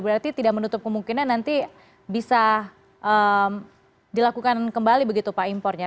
berarti tidak menutup kemungkinan nanti bisa dilakukan kembali begitu pak impornya